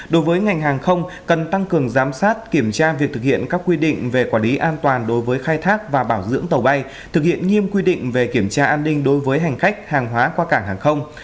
đối với ngành hàng không cần tăng cường giám sát kiểm tra việc thực hiện các quy định về quản lý an toàn đối với khai thác và bảo dưỡng tàu bay thực hiện nghiêm quy định về kiểm tra an ninh đối với hành khách hàng hóa qua cảng hàng không